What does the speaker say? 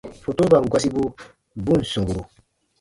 Fotoban gɔsibu bu ǹ sɔmburu.